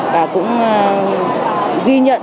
và cũng ghi nhận